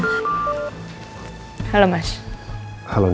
sebentar ya mas nino nelfon